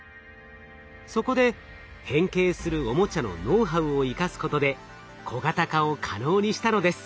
そこで変形するオモチャのノウハウを生かすことで小型化を可能にしたのです。